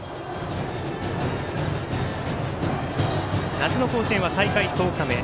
夏の甲子園は大会１０日目。